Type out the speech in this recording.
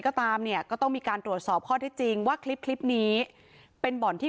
บอกว่ายังไม่ได้รับรายงานเรื่องนี้